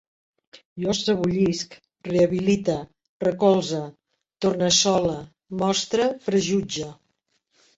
Jo sebollisc, rehabilite, recolze, tornassole, mostre, prejutge